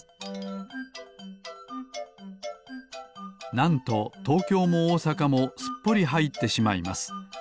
なんと東京も大阪もすっぽりはいってしまいます。